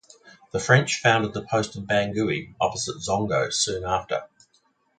The French founded the post of Bangui opposite Zongo soon after.